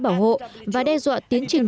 bảo hộ và đe dọa tiến trình